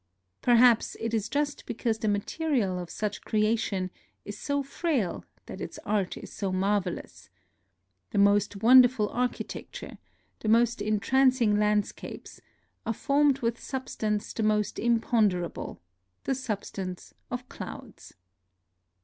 Perhaps it is just because the material of such creation is so frail that its art is so marvelous. The most wonderful architecture, the most entrancing 82 NOTES OF A TRIP TO KYOTO landscapes, are formed with substance the most imponderable, — the substance of clouds.